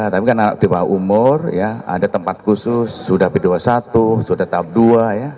tapi kan anak di bawah umur ya ada tempat khusus sudah b dua puluh satu sudah tahap dua ya